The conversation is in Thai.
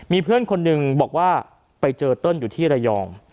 มีเพื่อนคนหนึ่งบอกว่าไปเจอเติ้ลอยู่ที่ระยอง